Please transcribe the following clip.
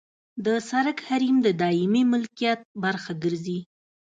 د سرک حریم د دایمي ملکیت برخه ګرځي